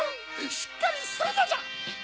しっかりするのじゃ！